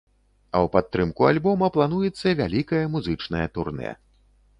А ў падтрымку альбома плануецца вялікае музычнае турнэ.